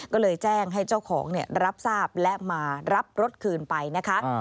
ก็เลยแจ้งให้เจ้าของรับทราบและมารับรถคืนไปนะคะ